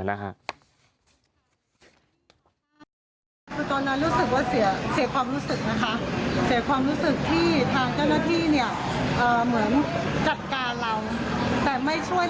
วันนี้มาขออนุญาตค่ะมาขออนุญาตให้ถูกต้อง